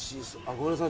ごめんなさい。